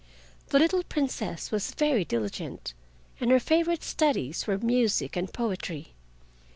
The little Princess was very diligent, and her favorite studies were music and poetry.